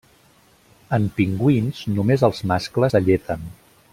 En pingüins només els mascles alleten.